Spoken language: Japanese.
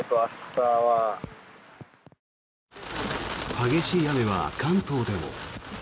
激しい雨は関東でも。